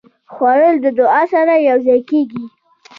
خوړل د دعا سره یوځای کېږي